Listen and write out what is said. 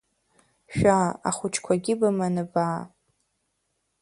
Шәаа, ахәыҷқәагьы быманы баа.